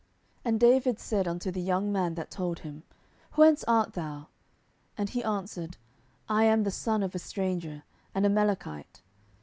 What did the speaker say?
10:001:013 And David said unto the young man that told him, Whence art thou? And he answered, I am the son of a stranger, an Amalekite.